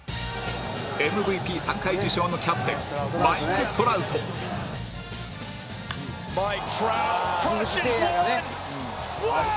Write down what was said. ＭＶＰ３ 回受賞のキャプテンマイク・トラウト「鈴木誠也がね２７番」